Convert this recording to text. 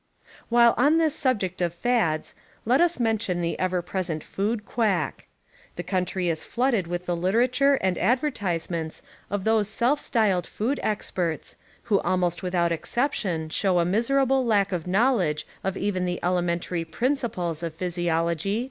While on this subject of fads let us mention the ever present food quack. The country is flooded with the literature and ad vertisements of these self styled food exj^erts, who almost with ^, out exception show a miserable lack of knowledge , of even the elementary principles of physiology.